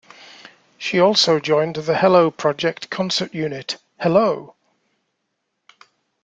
She also joined the Hello Project concert unit, Hello!